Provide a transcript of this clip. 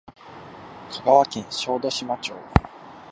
香川県小豆島町